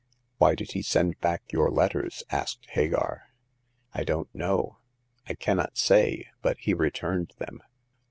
" Why did he send back your letters ?" asked Hagar. " I don't know ; I cannot say ; but he returned them.